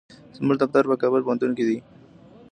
زموږ دفتر په کابل پوهنتون کې دی.